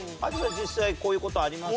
実際こういう事あります？